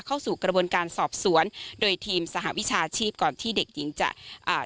เข้าสู่กระบวนการสอบสวนโดยทีมสหวิชาชีพก่อนที่เด็กหญิงจะอ่า